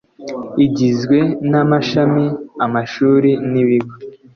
igizwe n amashami amashuri n ibigo